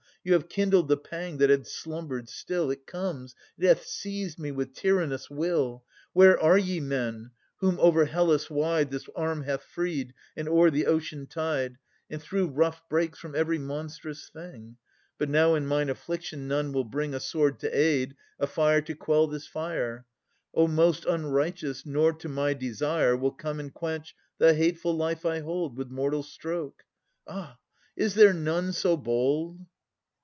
You have kindled the pang that had slumbered still. It comes, it hath seized me with tyrannous will! Where are ye, men, whom over Hellas wide This arm hath freed, and o'er the ocean tide, And through rough brakes, from every monstrous thing? Yet now in mine affliction none will bring A sword to aid, a fire to quell this fire, O most unrighteous! nor to my desire Will come and quench the hateful life I hold With mortal stroke! Ah! is there none so bold?